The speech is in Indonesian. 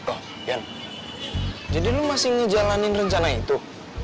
oh yan jadi lo masih ngejalanin rencana itu